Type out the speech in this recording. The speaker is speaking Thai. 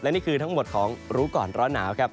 นี่คือทั้งหมดของรู้ก่อนร้อนหนาวครับ